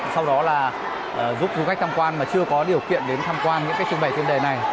sau đó là giúp du khách tham quan mà chưa có điều kiện đến tham quan những cái trưng bày chuyên đề này